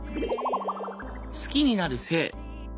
「好きになる性」。